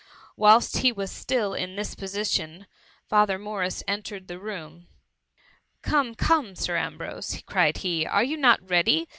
Whilst he was still in this position^ Father XBfi MUMMY. 263 Morris entered the room. —" Come, come, Sir Ambrose!" cried he, are you not ready?